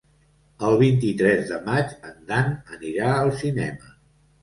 El vint-i-tres de maig en Dan anirà al cinema.